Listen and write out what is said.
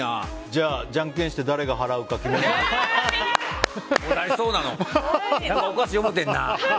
じゃあ、じゃんけんして誰が払うか決めましょうか。